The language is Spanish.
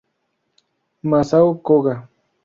Masao Koga